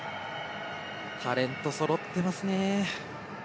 タレントそろってますね。